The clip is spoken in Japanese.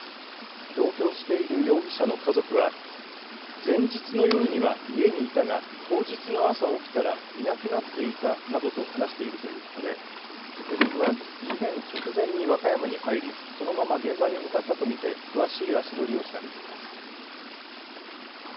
同居している容疑者の家族は前日の夜には家にいたが当日の朝起きたらいなくなっていたなどと話しているということで警察は事件直前に和歌山に入りそのまま現場に向かったと見て詳しい足取りを調べています。